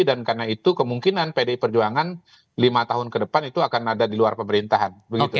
dan karena itu kemungkinan pdi perjuangan lima tahun ke depan itu akan ada di luar pemerintahan